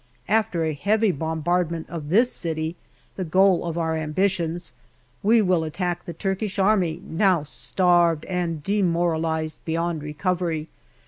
After a heavy bombardment of this city, the goal of our ambitions, we will attack the Turkish Army, now starved and demoralized beyond recovery.